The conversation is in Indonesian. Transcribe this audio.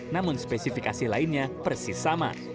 namun spesifikasi lainnya persis sama